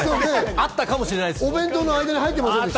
あったかもしれないです。